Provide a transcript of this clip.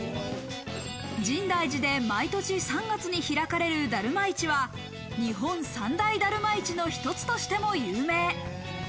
深大寺で毎年３月に開かれるだるま市は日本３大だるま市の一つとしても有名。